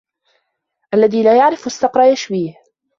الذي لا يعرف الصقر يشويه